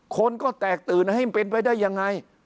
คนก็แตกตื่นให้มันเป็นไปได้ยังไง